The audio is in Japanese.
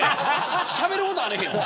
しゃべることあれへん。